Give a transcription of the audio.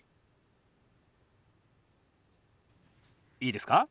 いいですか？